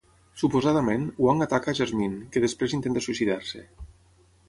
Suposadament, Wang ataca a Jasmine, que després intenta suïcidar-se.